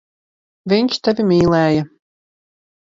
Viņš tevi mīlēja.